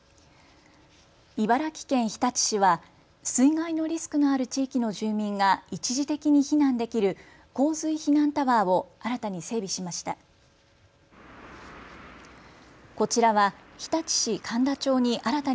茨城県日立市は水害のリスクのある地域の住民が一時的に避難できる洪水避難タワーを新たに整備しました。